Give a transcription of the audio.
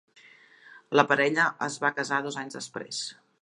La parella es va casar dos anys després.